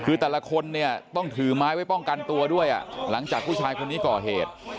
คือแต่ละคนต้องถือไม้ไว้ป้องกันตัวด้วยหลังจากภูเช้ามีต่อเหตุ